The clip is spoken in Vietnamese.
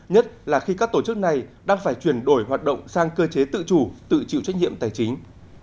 nhất là khi các tổ chức này đang phải chuyển đổi hoạt động sang cơ chế tự chủ tự chịu trách nhiệm tài chính